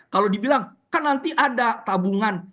kalau dibilang kan nanti ada tabungan